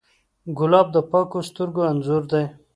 ګلاب د پاکو سترګو انځور دی.